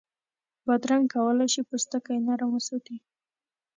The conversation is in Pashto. بادرنګ کولای شي پوستکی نرم وساتي.